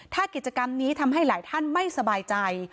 ถ้ากิจกรรมนี้ทำให้หลายท่านไม่สบายใจ